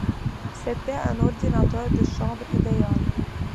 C'était un ordinateur de chambre idéal.